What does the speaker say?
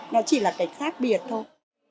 nó chỉ là cái khác biệt thôi